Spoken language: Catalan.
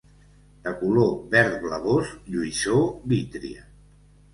De color verd blavós; lluïssor vítria.